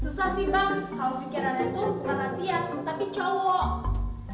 susah sih bang kalau pikirannya tuh bukan latihan tapi cowok